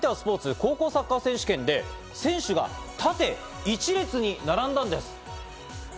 高校サッカー選手権で選手が縦一列に並んだんです。